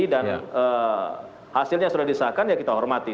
dan hasilnya sudah disahkan ya kita hormati